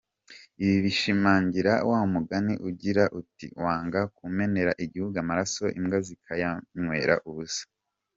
Ibi bishimangira wa mugani ugira uti``Wanga kumenera igihugu amaraso, imbwa zikayanywera ubusa’’.